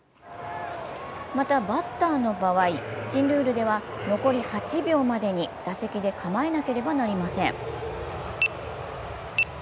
また、バッターの場合、新ルールでは残り８秒までに打席で構えなければなりません。